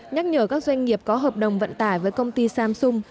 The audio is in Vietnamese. nhắc nhở các doanh nghiệp có hợp đồng vận tải với công ty samsung